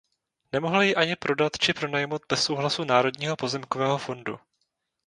Nemohl ji ani prodat či pronajmout bez souhlasu Národního pozemkového fondu.